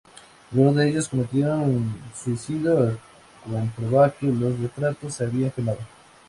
Algunos de ellos cometieron suicidio al comprobar que los retratos se habían quemado.